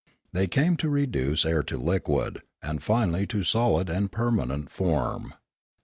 They came to reduce air to liquid, and finally to solid and permanent, form.